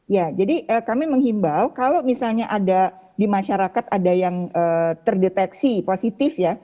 ya jadi kami menghimbau kalau misalnya ada di masyarakat ada yang terdeteksi positif ya